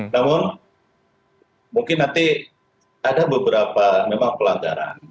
namun mungkin nanti ada beberapa memang pelanggaran